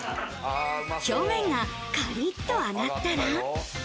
表面がカリッと揚がったら。